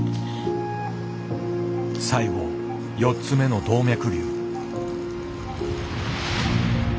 最後４つ目の動脈瘤。